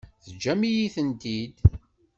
Teǧǧam-iyi-tent-id.